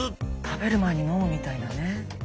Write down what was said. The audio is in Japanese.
「食べる前にのむ」みたいなね。